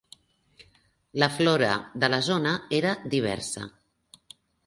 La flora de la zona era diversa.